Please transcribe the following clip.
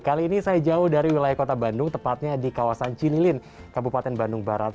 kali ini saya jauh dari wilayah kota bandung tepatnya di kawasan cinilin kabupaten bandung barat